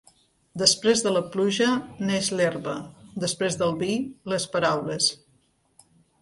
Després de la pluja neix l'herba, després del vi, les paraules.